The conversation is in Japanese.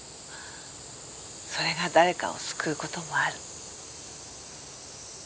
それが誰かを救う事もある。